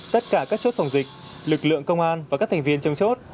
tất cả các chốt phòng dịch lực lượng công an và các thành viên trong chốt